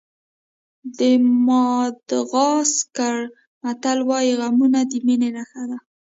د ماداغاسکر متل وایي غمونه د مینې نښه ده.